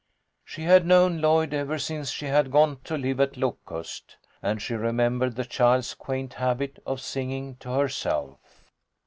She had known Lloyd ever since she had gone to live at Locust, and she remembered the child's quaint habit of singing to herself.